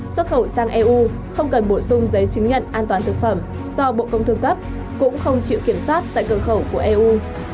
xuất khẩu sang eu không cần bổ sung giấy chứng nhận an toàn thực phẩm do bộ công thương cấp cũng không chịu kiểm soát tại cửa khẩu của eu